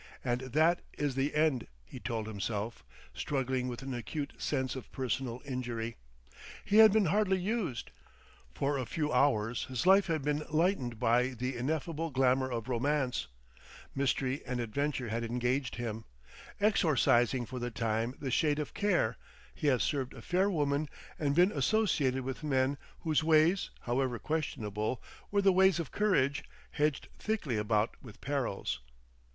"And that is the end!" he told himself, struggling with an acute sense of personal injury. He had been hardly used. For a few hours his life had been lightened by the ineffable glamor of Romance; mystery and adventure had engaged him, exorcising for the time the Shade of Care; he had served a fair woman and been associated with men whose ways, however questionable, were the ways of courage, hedged thickly about with perils.